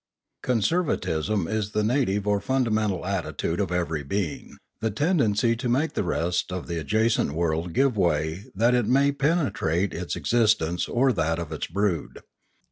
Conservatism is the native or fundamental attitude of every being, the tendency to make the rest of the adjacent world give way that it may perpetuate its ex istence or that of its brood.